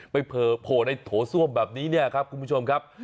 โผล่ในโถส้วมแบบนี้เนี่ยครับคุณผู้ชมครับ